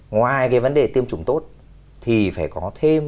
ngoài cái vấn đề tiêm chủng tốt thì phải có thêm